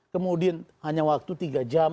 kemudian hanya waktu tiga jam